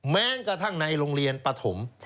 แม้กระทั่งในโรงเรียนปฐม